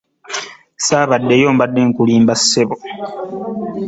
Ssaabaddeyo mbadde nkulimba ssebo.